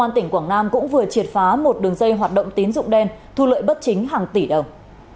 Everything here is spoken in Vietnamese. công an tỉnh quảng nam cũng vừa triệt phá một đường dây hoạt động tín dụng đen thu lợi bất chính hàng tỷ đồng